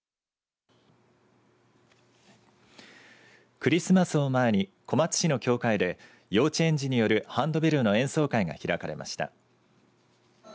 クリスマスを前に小松市の教会で幼稚園児によるハンドベルの演奏会が開かれました。